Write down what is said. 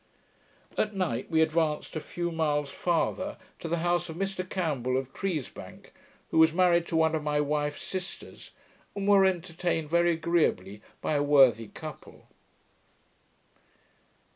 At night, we advanced a few miles farther, to the house of Mr Campbell of Treesbank, who was married to one of my wife's sisters, and were entertained very agreeably by a worthy couple.